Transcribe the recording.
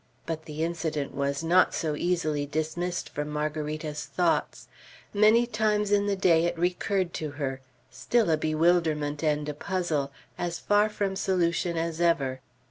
But the incident was not so easily dismissed from Margarita's thoughts. Many times in the day it recurred to her, still a bewilderment and a puzzle, as far from solution as ever.